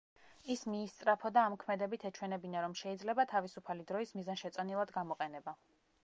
ის მიისწრაფოდა ამ ქმედებით ეჩვენებინა, რომ შეიძლება თავისუფალი დროის მიზანშეწონილად გამოყენება.